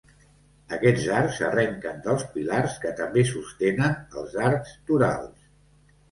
Aquests arcs arrenquen dels pilars que també sostenen els arcs torals.